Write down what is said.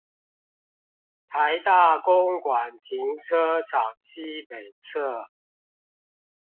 臺大公館停車場西北側